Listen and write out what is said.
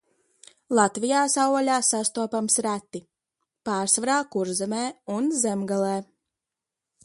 Latvijā savvaļā sastopams reti, pārsvarā Kurzemē un Zemgalē.